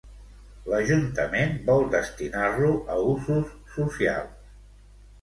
L'Ajuntament vol destinar-lo a usos socials.